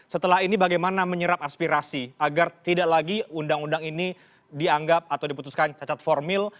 setelah ini bagaimana menyerap aspirasi agar tidak lagi undang undang ini dianggap atau diputuskan cacat formil